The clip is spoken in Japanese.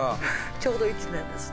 ちょうど１年ですね。